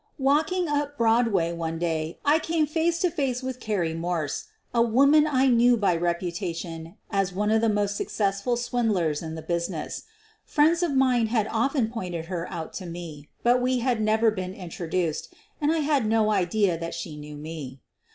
Walking up Broadway one day, I came face to face with Carrie Morse, a woman I knew by reputa tion as one of the most successful swindlers in the business. Friends of mine had often pointed her ©ut to me, but we had never been introduced, and I had no idea that she knew me.